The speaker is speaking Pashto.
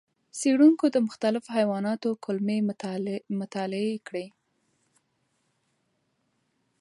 څېړونکو د مختلفو حیواناتو کولمو مطالعې کړې.